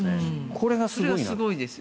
これがすごいです。